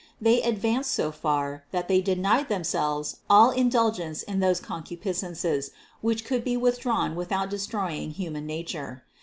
They ad vanced so far, that they denied themselves all indulgence in those concupiscences, which could be withdrawn with out destroying human nature.